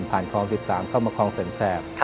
คลอง๑๓เข้ามาคลองแสนแสบ